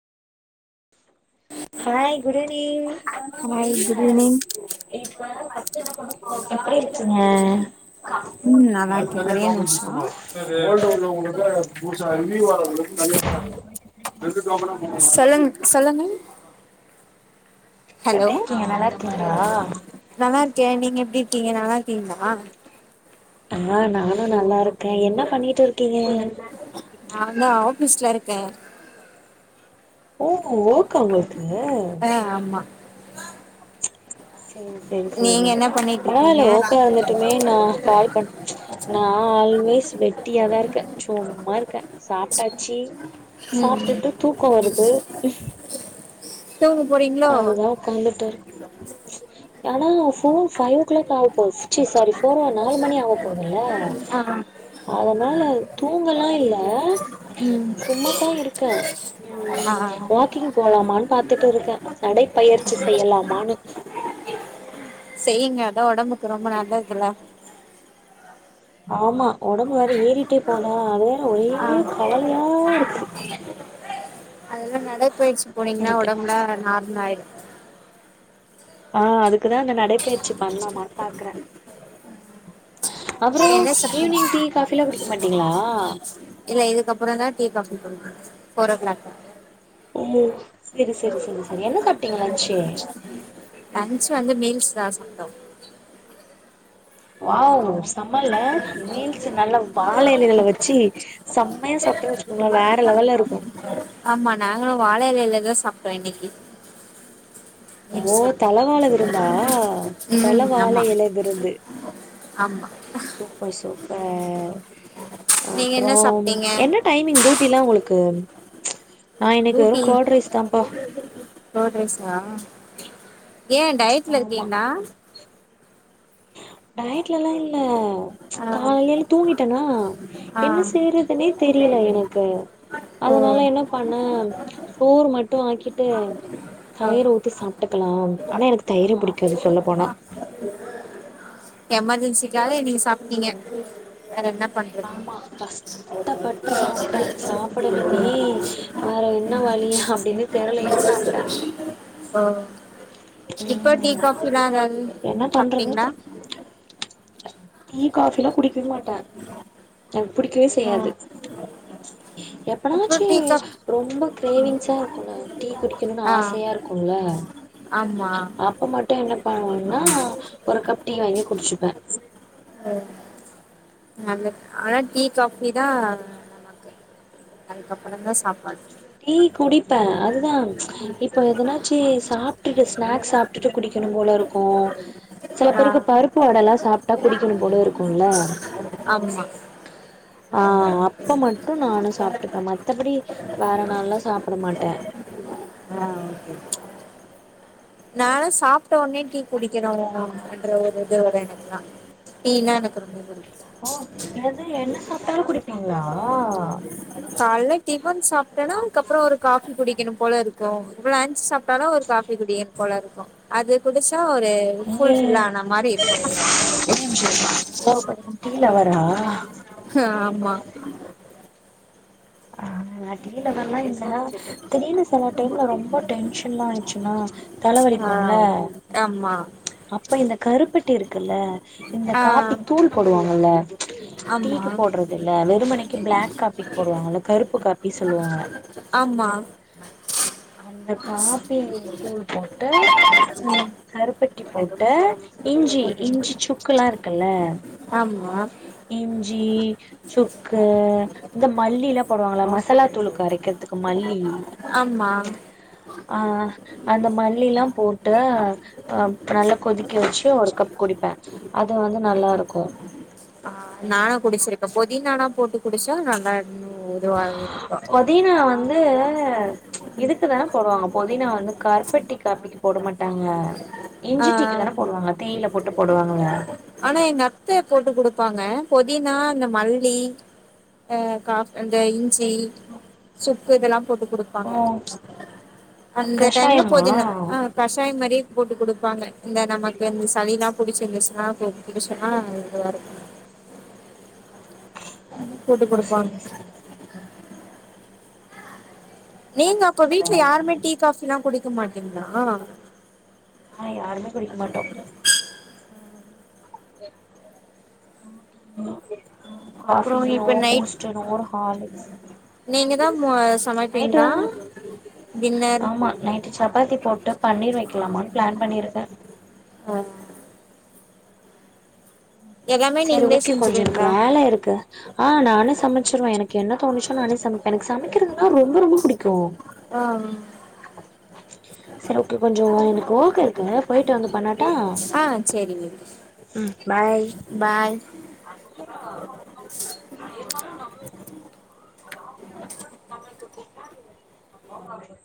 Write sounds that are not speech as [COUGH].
Hi good evening hi good evening எப்டி இருக்கிங்க ம் நல்லாருக்கே ஒரே நிமிஷ [UNINTELLIGIBLE] சொல்லுங் சொல்லுங்க எப்டி இருக்கிங்க நல்லாருக்கிங்ளா நல்லாருக்கே நீங்க எப்டி இருக்கிங்க நல்லாருக்கிங்ளா ஆ நானு நல்லா இருக்கே என்ன பண்ணிட்டு இருக்கிங்க நா வந்து ஆஃபிஸ்ல இருக்கே ஓ ஒர்க்கா உங்குளுக்கு ஆ ஆமா செரி செரி செரி நீங்க என்ன பண்ணிட்டு பரவால இருக்கீங்க ஒர்க்கா இருந்துட்டுமே நா கால் பண் நா ஆல்வேஸ் வெட்டியாதா இருக்க சும்மா இருக்க சாப்ட்டாச்சி சாப்ட்டுட்டு தூக்க வருது தூங்க போறிங் அதுதா உக்காந்துட்டர் ஆனா ஃபோர் ஃபைவ் ஓ கிளாக் ஆக போது சி சாரி ஃபோரா நாலு மணி ஆக போதுல்ல ஆ அதனால தூங்கலா இல்ல ம் சும்மாத்தா இருக்கே ஆ ம் வாக்கிங் போலாமான்னு பாத்துட்டு இருக்கே நடைப்பயிற்சி செய்யலாமான்னு செய்யுங்க அதா ஒடம்புக்கு ரொம்ப நல்லதுல ஆமா ஒடம்பு வேற ஏறிட்டே போதா அது வேற ஒரே ஆ கவலையா இருக்கு அதெல்லா நடைப்பயிற்சி போனிங்கனா எனக்கு ஒடம்புலா நார்மல் ஆயிடு ஆ அதுக்குதா அந்த நடைப்பயிற்சி பண்லாமான் பாக்கற அப்பற என்ன சாப்டீங்க ஈவினிங் டீ காஃபிலா குடிக்க மாட்டிங்களா இல்ல இதுக்கப்றந் தா டீ காஃபி குடிப்பாங்க ஃபோர் ஓ க்ளாக் ஓ செரி செரி செரி செரி என்ன சாப்டீங்க லன்ச்சு லன்ச் வந்து மீல்ஸ் தா சாப்டோ வாவ் செம்மல்ல மீல்ஸு நல்ல வாழ இலைகள வச்சி சம்மையா சாப்டன் வச்சுகோங்ளே வேற லெவல்ல இருக்கு ஆமா நாங்களு வாழ எலைல தா சாப்டோ இன்னக்கி ஓ தலவாழ விருந்தா ம் தலவாழ ஆமா எலெ விருந்து ஆமா சூப்பர் சூப்பர் நீங்க அப்றோ என்ன சாப்பிட்டீங்க என்ன டைமிங்‌ டூ ட்டிலா உங்களுக்கு நா இன்னக்கி வெறு கர்ட் ரைஸ் தாம்ப்பா கர்ட் ரைஸா ஏ டயட்ல ஆமா இருக்கீங்ளா டயட்லல்லா இல்ல ஆ, காலேல தூங்கிட்டெனா ஆ, என்ன செய்றதுனே தெரியல எனக்கு ஓ அதுனால என்ன பண்ணே சோறு மட்டு ஆக்கிட்டு தயிர ஊத்தி சாப் டுக்கலா ஆனா எனக்கு தயிரே புடிக்காது சொல்ல போனா எமர்ஜென்சிக்காக நீங்க சாப்டீங்க வேற என்ன பண்றது ஆமா கஷ் டப்பட்டு சாப்ட்டே சாப்பிடணுமே வேற என்ன வழி அப்டின்னு தெரலன்னு சாப்ட்டே ஆ இப்ப டீ ம் காஃபில்லா எதாது என்ன பண்றதுனே சாப்டீங்ளா? தெர் டீ காஃபில்லா குடிக்க மாட்டே எனக்கு பிடிக்கவே ஓ செய்யாது எப்பனாச்சி அப்புறம் டீ காஃபி ரொம்ப கிரேவிங்ஸா இருக்குல்ல டீ குடிக்கனுன் ஆ ஆசையா இருக்குல்ல ஆமா அப் ப மட்டு என்ன பண்ணுவேன்னா ஒரு கப் டீ வாங்கி குடிச்சுப்பே ஆ நல்ல ஆனா டீ காஃபி தா நமக்கு அதுக்கப்புறந்தா சாப்பாடு டீ குடிப்பே அதுதா இப்ப எதுனா ச்சி சாப்டுட்டு ஸ்நாக்ஸ் சாப்டுட்டு குடிக்கனும் போல இருக்கு சில ஆ பேருக்கு பருப்பு வடல்லா சாப்டா குடிக்கனு போல இருக்குல்ல ஆமா ஆ அப்ப மட்டு நானு சாப்ட்டுப்பே மத்தபடி வேற நாள்லா சாப்புட மாட்டே ஆ‌ ஓகே நானு சாப்டோனே டீ குடிக்கனூ என்ற ஒரு இது வரு எனக் குலா டீனா எனக்கு ரொம்ப புடி க்கு என்னது என்ன சாப்டாலு குடிப்பிங்லா கால்ல டிஃபன் சாப்டெனா அதுக்கப்றோ ஒரு காஃபி குடிக்கனும் போலருக்கு லன்ச் சாப் டனா ஒரு காஃபி குடிக்கனு போலருக்கு அது குடுச்சா ஒரு ஏ ஃபுல்ஃபில் ஆன மாரி இருக்கு ஒரே நிமிஷோ இருமா கோவப்படாம டீ லவ்வரா? ஆமா ஆ நா டீ லவ்வர்லா இல்ல திடீனு செல டைம்ல ரொம்ப டென்ஷன்லா ஆயிட்ச்சுன்னா ஆ தலவலிக்குல்ல ஆமா அப்ப இந்த கருப்பட்டி இருக்குல்ல இந்த காப்பி ஆ தூள் போடுவாங்கல்ல ஆமா டீக்கு போட்றதில்ல வெறுமனைக்கு பிளாக் காப்பிக் போடுவாங்கல்ல கருப்பு கா ப்டி சொல்லுவாங்க ஆமா அந்த காப்பி தூள் போட் டா ம் கருப்பட்டி போடுவே இஞ்சி இஞ்சி சுக்கல்லா இருக்குல்ல ஆமா இஞ்சி சுக்கு இந்த மல்லியில போடுவாங்களா மசாலா தூளுக்கு அரைக்கிறதுக்கு மல்லி ஆமா ஆ அந்த மல்லிலா போட்டு அ நல்லா கொதிக்க வச்சு ஒரு கப் குடிப்பே அது வந்து நல்லாருக்கு ஆ நானு குடிச்சிருக்கே பொதினானா போட்டு குடிச்சா நல்லா இன்னு இதுவாவவே இருக்கு பொதீனா வந்து இதுக்குதான போடுவாங்க பொதினா வந்து கருப்பெட்டி காப்பிக்கு போட மாட்டாங்க ஆ இஞ்சிட்டீக்குதான போடுவாங்க தேயில போட்டு போடுவாங்க ஆனா எங்கத்த போட்டு குடுப்பாங்க பொதினா இந்த மல்லி ஆ காஃபி அந்த இஞ்சி சுக்கு இதெல்லா போட்டு குடுப் பாங்க ஓ அது அந்த டைம்ல கஷாயமா பொதினா கஷாயோ மாரி போட்டு குடுப்பாங்க இந்த நமக்கு இந்த சளிலா புடிச்சிருந்துச்சுனா போட்டு குடிச்சோன்னா இதுவாருக் போட்டு ஓ குடுப்பாங்க சேரி சேரி சேரி ஓகே நீங்க சூப்பர் அப்ப வீட்ல சூப்பர் யாருமே டீ காஃபிலா குடிக்க மாட்டீங்ளா அ யாருமே குடிக்கமாட்டோ [UNINTELLIGIBLE] அப்புறோ coffee no Boost no Horlicks நீங்கதா மு நைட்டு சமைப்பீங்ளா தா டின்னர் ஆமா நைட்டு சப்பாத்தி போட்டு பன்னீர் வைக்லாமான் ப்ளான் பண்ணிருக்கே ஆ எல்லாமே சரி நீங்களே ஓகே கொஞ்சோ எனக்கு செஞ்சுருவீங்களா வேலருக்கு அ நானே சமைச்சிருவே எனக்கு என்ன தோணுச்சோ நானே சமைப்பே எனக்கு சமைக்றதுனா ரொம்ப ரொம்ப புடிக்கு அ ம் ம் சேரி ஓகே கொஞ்சே எனக்கு ஓர்க் இருக்கு பொய்ட்டு வந்து பண்ணட்டா அ சேரிங்க ம் பாய் பாய் [UNINTELLIGIBLE]